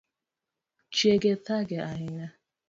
Chiege thage ahinya